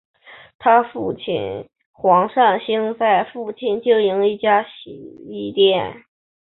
她父亲黄善兴在附近经营一家洗衣店。